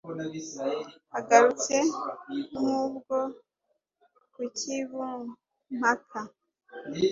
Agarutse nk' ubwo ku cy' i Bumpaka